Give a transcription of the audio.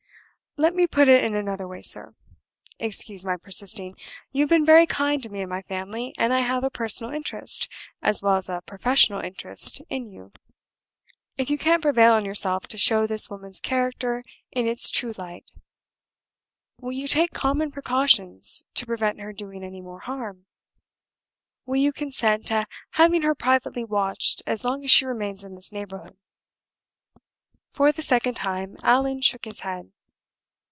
"Let me put it in another way, sir. Excuse my persisting. You have been very kind to me and my family; and I have a personal interest, as well as a professional interest, in you. If you can't prevail on yourself to show this woman's character in its true light, will you take common precautions to prevent her doing any more harm? Will you consent to having her privately watched as long as she remains in this neighborhood?" For the second time Allan shook his head.